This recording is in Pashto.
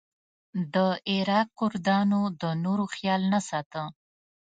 د عراق کردانو د نورو خیال نه ساته.